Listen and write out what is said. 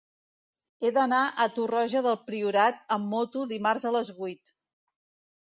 He d'anar a Torroja del Priorat amb moto dimarts a les vuit.